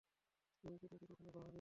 তুমি কী তাকে কখনও গহনা দিয়েছ?